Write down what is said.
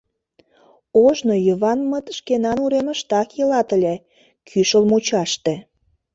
Ожно Йыванмыт шкенан уремыштак илат ыле, кӱшыл мучаште.